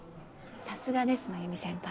さすがです繭美先輩。